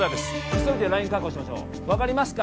急いでライン確保しましょう分かりますか？